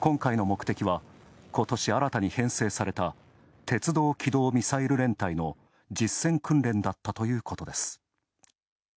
今回の目的は、ことし新たに編成された鉄道機動ミサイル連隊の実戦訓練だったということです。